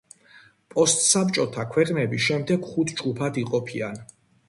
პოსტსაბჭოთა ქვეყნები შემდეგ ხუთ ჯგუფად იყოფებიან.